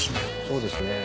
そうですね。